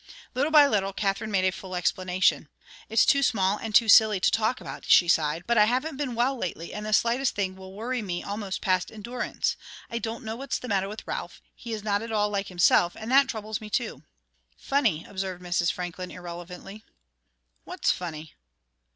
Little by little, Katherine made a full explanation. "It's too small and too silly to talk about," she sighed, "but I haven't been well lately and the slightest thing will worry me almost past endurance. I don't know what's the matter with Ralph he is not at all like himself, and that troubles me, too." "Funny," observed Mrs. Franklin, irrelevantly. "What's funny?"